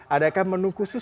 adakah menu khusus